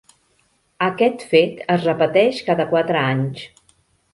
Aquest fet es repeteix cada quatre anys.